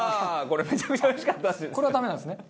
これはダメなんですね。